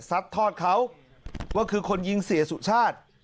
สัดทอดเขาว่าคือคนยิงเศรษฐ์สุชาติ